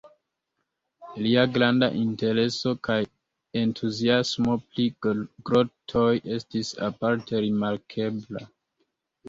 Lia granda intereso kaj entuziasmo pri grotoj estis aparte rimarkebla.